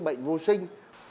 bệnh vô sinh